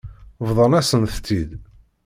Bḍan-asent-tt-id.